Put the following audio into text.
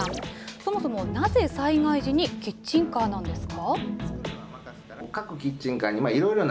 そもそもなぜ災害時にキッチンカーなんですか。